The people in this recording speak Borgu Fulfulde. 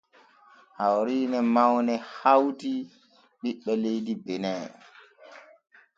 Hawriine mawne hawti ɓiɓɓe leydi benin.